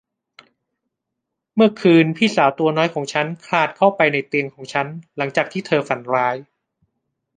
เมื่อคืนพี่สาวตัวน้อยของฉันคลานเข้าไปในเตียงของฉันหลังจากที่เธอฝันร้าย